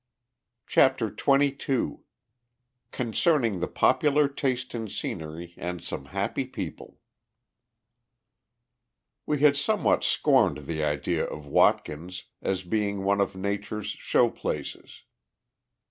CHAPTER XXII CONCERNING THE POPULAR TASTE IN SCENERY AND SOME HAPPY PEOPLE We had somewhat scorned the idea of Watkins, as being one of Nature's show places.